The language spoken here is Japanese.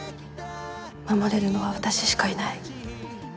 守れるのは私しかいない。